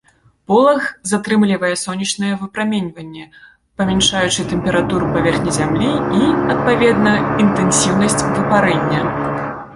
Полаг затрымлівае сонечнае выпраменьванне, памяншаючы тэмпературу паверхні зямлі і, адпаведна, інтэнсіўнасць выпарэння.